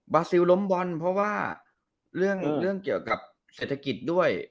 ซิลล้มบอลเพราะว่าเรื่องเกี่ยวกับเศรษฐกิจด้วย